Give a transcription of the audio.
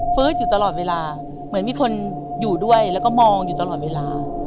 อยู่ตลอดเวลาเหมือนมีคนอยู่ด้วยแล้วก็มองอยู่ตลอดเวลา